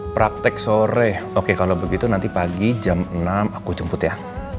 praktek sore oke kalau begitu nanti pagi jam enam aku jemput ya